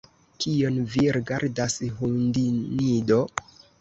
Kion vi rigardas, hundinido?